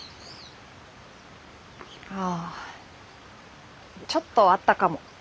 ああちょっとあったかも。